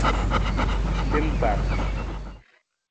Lem kpar.